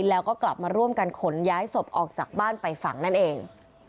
แล้วก็กลับมาร่วมกันขนย้ายศพออกจากบ้านไปฝังนั่นเอง